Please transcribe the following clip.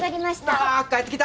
わ帰ってきた！